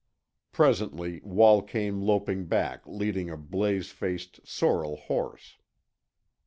Presently Wall came loping back leading a blaze faced sorrel horse.